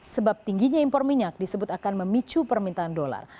sebab tingginya impor minyak disebut akan memicu permintaan dolar